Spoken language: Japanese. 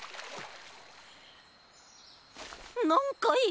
なんかいる！